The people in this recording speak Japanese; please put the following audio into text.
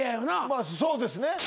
まあそうですね。